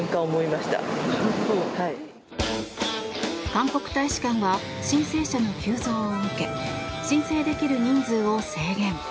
韓国大使館は申請者の急増を受け申請できる人数を制限。